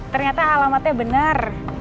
ternyata alamatnya bener